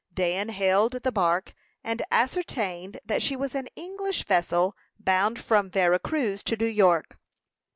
Dan hailed the bark, and ascertained that she was an English vessel, bound from Vera Cruz to New York.